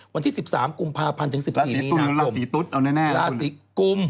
วันที่๑๓กุมภาพันธ์ถึง๑๔มีนาคมราศรีกุมหรือลาศรีตุ๊ชเอาแน่ครับคุณ